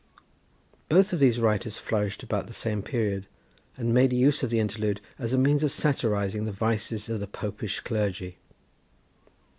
Both of these writers flourished about the same period, and made use of the interlude as a means of satirising the vices of the popish clergy.